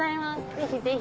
ぜひぜひ。